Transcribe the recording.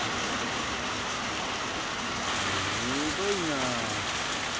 すごいな。